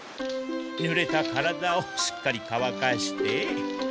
ぬれた体をしっかりかわかして。